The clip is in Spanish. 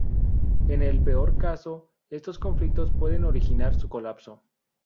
En el peor caso estos conflictos pueden originar su colapso.